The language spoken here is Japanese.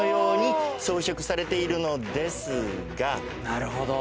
なるほど。